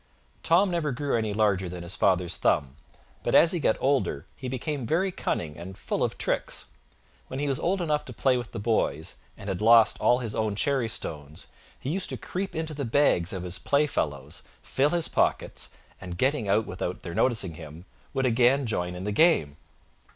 Tom never grew any larger than his father's thumb, but as he got older he became very cunning and full of tricks. When he was old enough to play with the boys, and had lost all his own cherry stones, he used to creep into the bags of his play fellows, fill his pockets, and, getting out without their noticing him, would again join in the game.